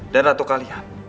dan ratu kalian